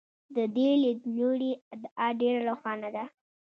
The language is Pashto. د دې لیدلوري ادعا ډېره روښانه ده.